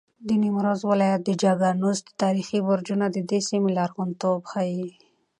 د نیمروز ولایت د چګانوس تاریخي برجونه د دې سیمې لرغونتوب ښیي.